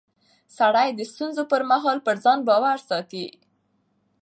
سړی د ستونزو پر مهال پر ځان باور ساتي